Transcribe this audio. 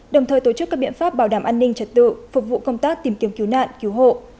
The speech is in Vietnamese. đồng thời tổ chức các biện pháp bảo đảm an ninh trật tự phục vụ công tác tìm kiếm cứu nạn cứu hộ